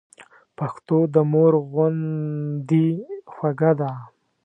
پښتو د مور غوندي خوږه ده.